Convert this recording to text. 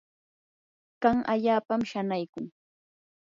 kan allaapam shanaykun.